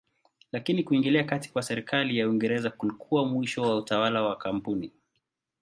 Lakini kuingilia kati kwa serikali ya Uingereza kulikuwa mwisho wa utawala wa kampuni.